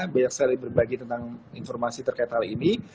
banyak sekali berbagi tentang informasi terkait hal ini